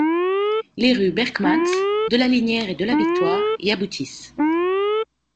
Les rues Berckmans, de la Linière et de la Victoire y aboutissent.